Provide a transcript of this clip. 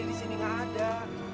iyalah nanti ya